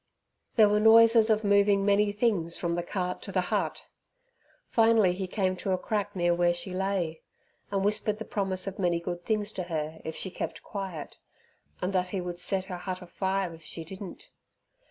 There were noises of moving many things from the cart to the hut. Finally he came to a crack near where she lay, and whispered the promise of many good things to her if she kept quiet, and that he would set her hut afire if she didn't.